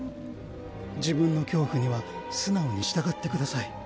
自分の恐怖には素直に従ってください。